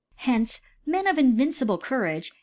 Hen?e Men of invincible Cou rage